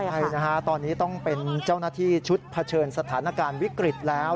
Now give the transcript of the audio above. ใช่นะฮะตอนนี้ต้องเป็นเจ้าหน้าที่ชุดเผชิญสถานการณ์วิกฤตแล้ว